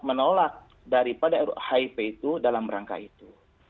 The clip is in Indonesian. menolak daripada ruu hip itu dalam rangka itu